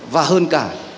và hơn cả